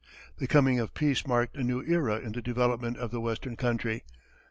The coming of peace marked a new era in the development of the western country.